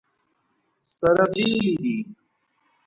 سره بېلې دي.